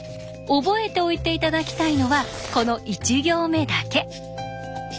覚えておいて頂きたいのはこの１行目だけ。